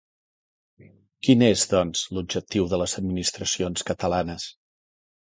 Quin és, doncs, l'objectiu de les administracions catalanes?